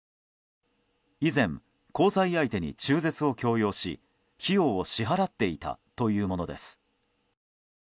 以前、交際相手に中絶を強要し費用を支払っていたというものです。